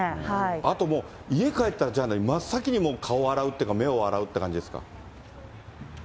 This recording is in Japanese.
あともう、家帰ったら、じゃあ、真っ先にもう顔を洗うっていうか、目を洗うっていう感じですか。